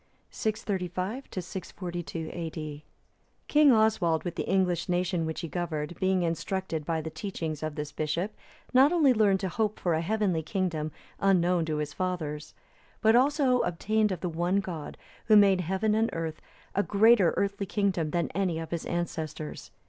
[635 642 A.D.] King Oswald, with the English nation which he governed, being instructed by the teaching of this bishop, not only learned to hope for a heavenly kingdom unknown to his fathers, but also obtained of the one God, Who made heaven and earth, a greater earthly kingdom than any of his ancestors.